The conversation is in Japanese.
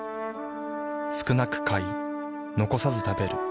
少なく買い残さず食べる。